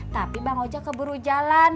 tapi bang ojek keburu jalan